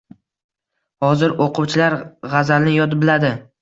Hozir o‘quvchilar g‘azalni yod biladi.